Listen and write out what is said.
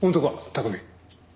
拓海。